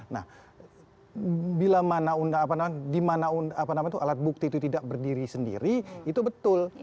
nah bila mana di mana alat bukti itu tidak berdiri sendiri itu betul